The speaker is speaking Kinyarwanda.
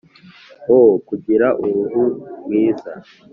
O Kugira uruhu rwiza